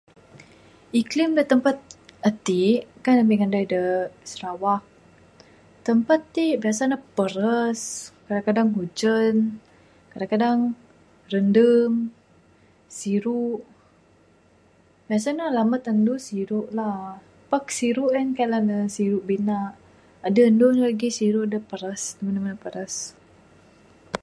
Iklan da tampat ati kan ami ngandai da sarawak tempat ti biasa ne paras kadang kadang ujan kadang kadang rendem siru biasa ne lambat anu siru lah. Pak siru en kaik la ne siru bina adeh anu lagih siru da mene mene paras.